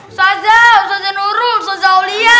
ustazah ustazah nurul ustazah aulia